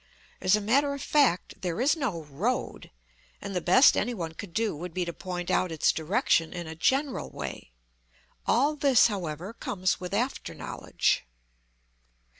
As a matter of fact, there is no "road," and the best anyone could do would be to point out its direction in a general way. All this, however, comes with after knowledge.